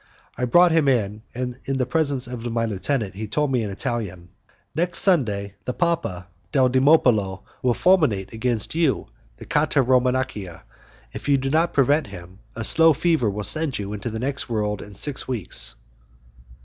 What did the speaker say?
I had him brought in, and, in the presence of my lieutenant, he told me in Italian: "Next Sunday, the Papa Deldimopulo will fulminate against you the 'cataramonachia'. If you do not prevent him, a slow fever will send you into the next world in six weeks."